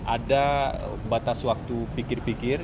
ada batas waktu pikir pikir